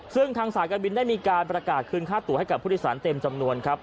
ซึ่งทางสายการบินได้มีการประกาศคืนค่าตัวให้กับผู้โดยสารเต็มจำนวนครับ